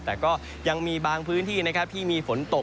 แต่ก็ยังมีบางพื้นที่นะครับที่มีฝนตก